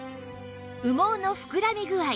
羽毛の膨らみ具合